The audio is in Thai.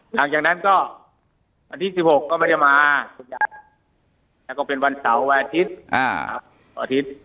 หลังจากนั้นก็วันที่๑๖ก็ไม่ได้มาแล้วก็เป็นวันเสาร์วันอาทิตย์